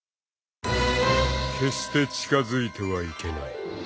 ［決して近づいてはいけない］